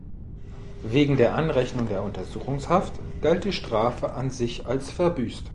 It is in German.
Wegen der Anrechnung der Untersuchungshaft galt die Strafe an sich als verbüßt.